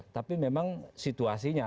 tapi memang situasinya